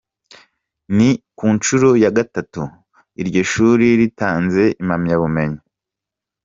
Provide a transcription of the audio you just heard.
Ni ku nshuro ya gatatu iryo shuri ritanze impamyabumenyi.